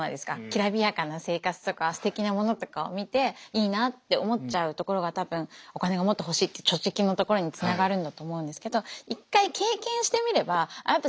きらびやかな生活とかすてきなものとかを見ていいなって思っちゃうところが多分お金がもっと欲しいって貯蓄のところにつながるんだと思うんですけど一回経験してみればあっ